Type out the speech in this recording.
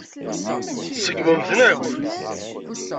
Tseggmemt-ten akk.